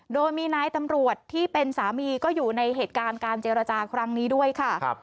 โดยมีนายตำรวจที่เป็นสามีก็อยู่ในเหตุการณ์การเจรจาครั้งนี้ด้วยค่ะ